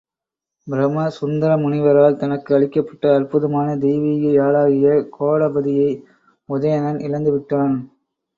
பிரம சுந்தரமுனிவரால் தனக்கு அளிக்கப்பட்ட அற்புதமான தெய்வீக யாழாகிய கோடபதியை உதயணன் இழந்துவிட்டான்.